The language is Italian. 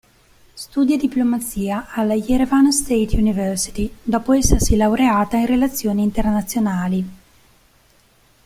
Studia diplomazia alla Yerevan State University, dopo essersi laureata in relazioni internazionali.